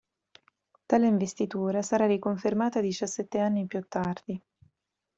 Tale investitura sarà riconfermata diciassette anni più tardi.